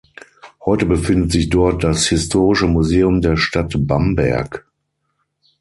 Heute befindet sich dort das Historische Museum der Stadt Bamberg.